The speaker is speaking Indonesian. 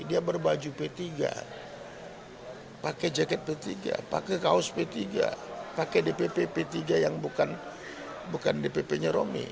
dia berbaju p tiga pakai jaket p tiga pakai kaos p tiga pakai dpp p tiga yang bukan dpp nya romi